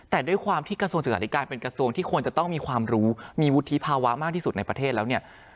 แต่ด้วยความที่กระทรวงศึกษาธิการเป็นกระทรวงที่ควรจะต้องมีความรู้มีวุฒิภาวะมากที่สุดในประเทศแล้วเนี่ย